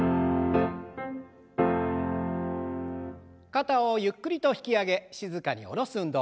肩をゆっくりと引き上げ静かに下ろす運動。